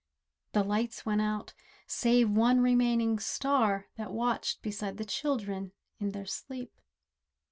The lights went out, save one remaining star That watched beside the children in their sleep.